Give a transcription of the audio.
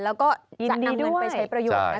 แล้วก็จะนำเงินไปใช้ประโยชน์